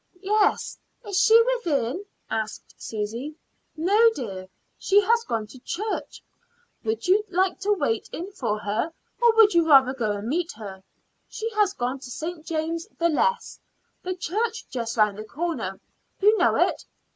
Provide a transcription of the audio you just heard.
"Yes; is she within?" asked Susy. "No, dear; she has gone to church. Would you like to wait in for her, or would you rather go and meet her? She has gone to St. James the Less, the church just around the corner; you know it?"